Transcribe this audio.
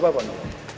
gak apa apa nunggu